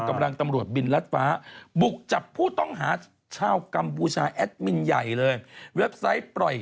อะไรแบบนี้เนี่ย